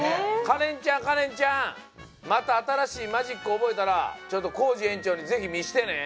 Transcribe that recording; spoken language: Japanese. かれんちゃんかれんちゃんまたあたらしいマジックおぼえたらちょっとコージえんちょうにぜひ見してね。